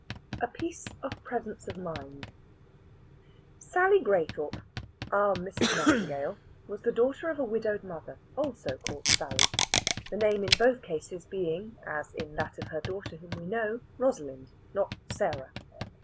A PIECE OF PRESENCE OF MIND Sally Graythorpe (our Mrs. Nightingale) was the daughter of a widowed mother, also called Sally, the name in both cases being (as in that of her daughter whom we know) Rosalind, not Sarah.